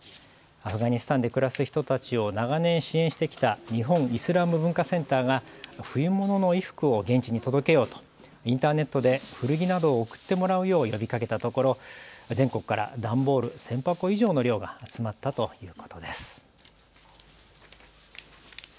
アフガニスタンで暮らす人たちを長年支援してきた日本イスラーム文化センターが冬物の衣服を現地に届けようとインターネットで古着などを送ってもらうよう呼びかけたところ全国から段ボール１０００箱以上の量が集まったということです。